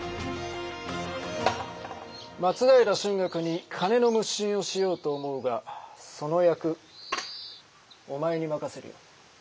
松平春嶽に金の無心をしようと思うがその役お前に任せるよ。